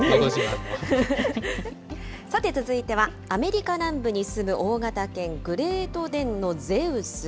さて続いては、アメリカ南部に住む大型犬、グレートデンのゼウス。